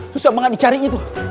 susah banget dicariin tuh